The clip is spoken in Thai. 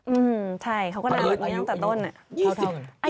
อืมใช่เขาก็หน้าแบบนี้ตั้งแต่ต้น